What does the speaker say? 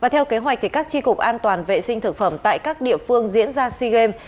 theo kế hoạch các tri cục an toàn viện sinh thực phẩm tại các địa phương diễn ra sea games ba mươi một